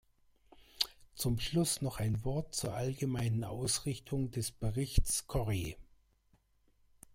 Zum Schluss noch ein Wort zur allgemeinen Ausrichtung des Berichts Corrie.